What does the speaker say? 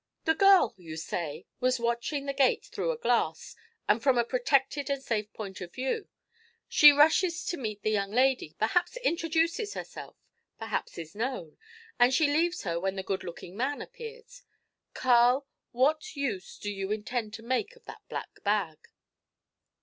'The girl, you say, was watching the gate through a glass, and from a protected and safe point of view. She rushes to meet the young lady, perhaps introduces herself, perhaps is known, and she leaves her when the good looking man appears. Carl, what use do you intend to make of that black bag?'